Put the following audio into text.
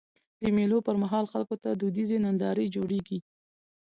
د مېلو پر مهال خلکو ته دودیزي نندارې جوړيږي.